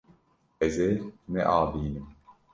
Ez ê neavînim.